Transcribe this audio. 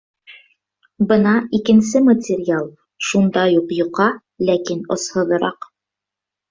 Бына икенсе материал, шундай уҡ йоҡа, ләкин осһоҙораҡ